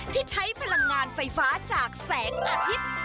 ที่ใช้พลังงานไฟฟ้าจากแสงอาทิตย์